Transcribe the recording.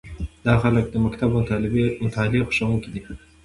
دا خلک د مکتب او مطالعې خوښوونکي وي.